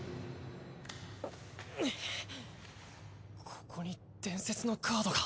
ここに伝説のカードが。